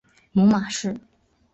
母马氏。